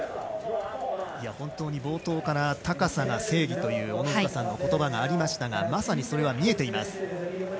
本当に冒頭から高さが正義という小野塚さんの言葉がありましたがまさにそれが見えています。